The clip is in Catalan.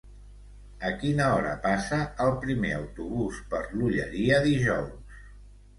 A quina hora passa el primer autobús per l'Olleria dijous?